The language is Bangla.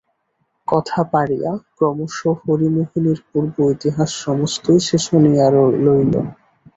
কথা পাড়িয়া ক্রমশ হরিমোহিনীর পূর্ব-ইতিহাস সমস্তই সে শুনিয়া লইল।